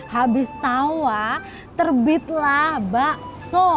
habis tauwa terbitlah bakso